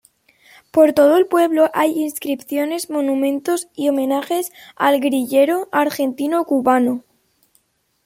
Por todo el pueblo hay inscripciones, monumentos y homenajes al guerrillero argentino-cubano.